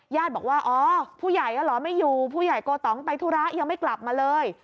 ญาติบอกว่าอ๋อผู้ใหญ่ก็เหรอไม่อยู่ผู้ใหญ่โกตองไปธุระยังไม่กลับมาเลย